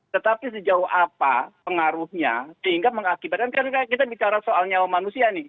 tetapi sejauh apa pengaruhnya sehingga mengakibatkan karena kita bicara soal nyawa manusia nih